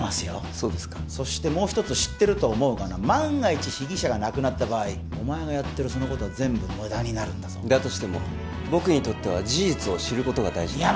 そうですかそしてもう一つ知ってると思うが万が一被疑者が亡くなった場合お前がやってることは無駄になるだとしても僕にとっては事実を知ることが大事深山！